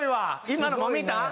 今のも見た？